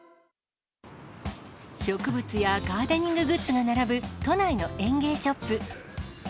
植物やガーデニンググッズが並ぶ都内の園芸ショップ。